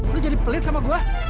lu jadi pelit sama gue